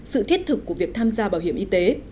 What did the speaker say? sự thiết thực của việc tham gia bảo hiểm y tế